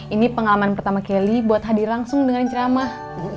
ini pengalaman pertama kelly buat hadir langsung dengan ceramah